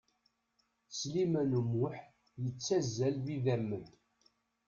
Sliman U Muḥ yettazzal d idamen.